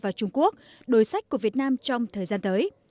và trung quốc đối sách của việt nam trong thời gian tới